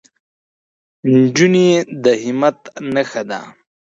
نجلۍ د همت نښه ده.